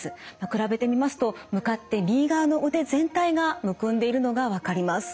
比べてみますと向かって右側の腕全体がむくんでいるのが分かります。